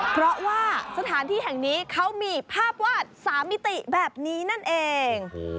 เพราะว่าสถานที่แห่งนี้เขามีภาพวาด๓มิติแบบนี้นั่นเอง